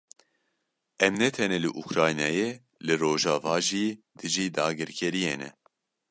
Em ne tenê li Ukraynayê li Rojava jî dijî dagirkeriyê ne.